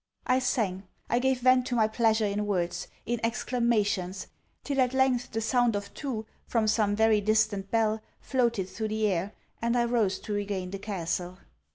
I sang. I gave vent to my pleasure in words; in exclamations! till at length the sound of two, from some very distant bell, floated through the air, and I rose to regain the castle.